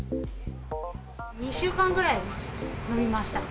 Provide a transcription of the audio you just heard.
２週間ぐらい延びましたね。